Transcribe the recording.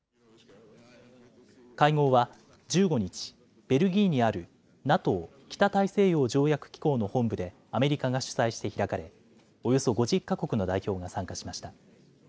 会合は１５日、ベルギーにあるＮＡＴＯ・北大西洋条約機構の本部でアメリカが主催して開かれおよそ５０か国の代表が参加しました。